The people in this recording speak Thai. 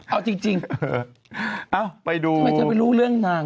เอาจริงเอ้าไปดูทำไมเธอไปรู้เรื่องนาง